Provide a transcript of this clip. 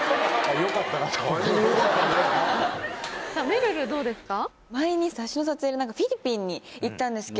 めるるどうですか？